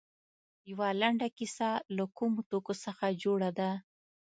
یوه لنډه کیسه له کومو توکو څخه جوړه ده.